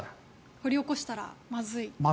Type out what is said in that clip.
掘り起こしたらまずい。